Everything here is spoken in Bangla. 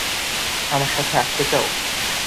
আমার সাথে আঁকতে চাও?